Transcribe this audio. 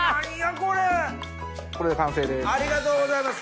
これで完成です。